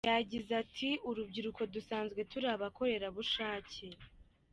Yagize ati “Urubyiruko dusanzwe turi abakorerabushake.